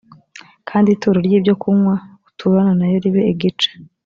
kandi ituro ry ibyokunywa uturana na yo ribe igice